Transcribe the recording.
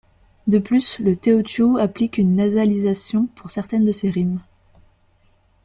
De plus, le teochew applique une nasalisation pour certaines de ses rimes.